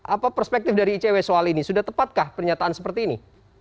apa perspektif dari icw soal ini sudah tepatkah pernyataan seperti ini